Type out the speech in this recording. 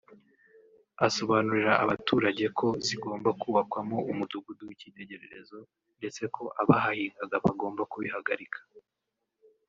asobanurira abaturage ko zigomba kubakwamo umudugudu w’icyitegererezo ndetse ko abahahingaga bagomba kubihagarika